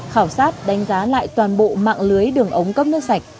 khảo sát đánh giá lại toàn bộ mạng lưới đường ống cấp nước sạch